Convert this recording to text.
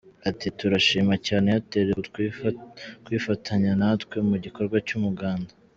Ati “Turashima cyane Airtel ku kwifatanya natwe mu gikorwa cy’Umuganda.